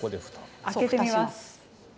開けてみます。